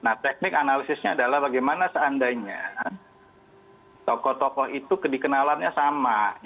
nah teknik analisisnya adalah bagaimana seandainya tokoh tokoh itu kedikenalannya sama